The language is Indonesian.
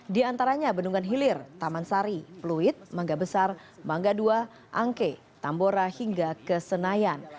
di antaranya bendungan hilir taman sari pluit mangga besar mangga ii angke tambora hingga ke senayan